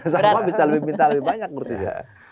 sama bisa lebih minta lebih banyak berarti ya